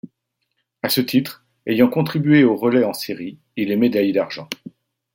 À ce titre, ayant contribué au relais en séries, il est médaillé d'argent.